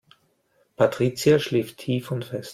Patricia schläft tief und fest.